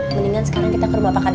mendingan sekarang kita ke rumah pakan